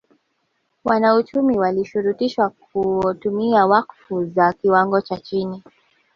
Wanauchumi walishurutishwa kutumia wakfu za kiwango cha chini